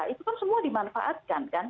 itu kan semua dimanfaatkan